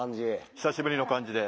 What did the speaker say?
久しぶりの感じで。